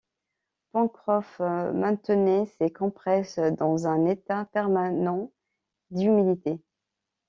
Pencroff maintenait ses compresses dans un état permanent d’humidité.